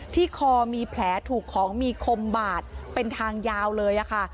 คอมีแผลถูกของมีคมบาดเป็นทางยาวเลยค่ะ